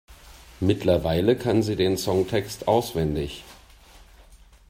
Mittlerweile kann sie den Songtext auswendig.